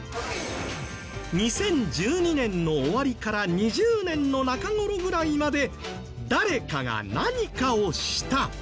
２０１２年の終わりから２０年の中頃ぐらいまで誰かが何かをした。